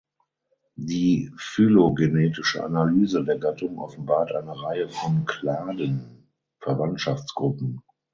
Die phylogenetische Analyse der Gattung offenbart eine Reihe von Kladen (Verwandtschaftsgruppen).